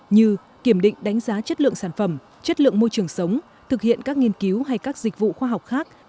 như kiểm định đánh giá chất lượng sản phẩm chất lượng môi trường sống thực hiện các nghiên cứu hay các dịch vụ khoa học khác